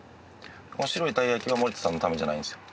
この白いたい焼きは森田さんのためじゃないんですよ。